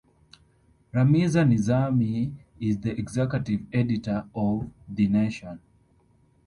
Rameeza Nizami is the Executive Editor of "The Nation".